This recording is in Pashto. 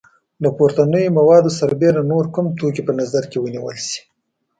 له پورتنیو موادو سربیره نور کوم توکي په نظر کې ونیول شي؟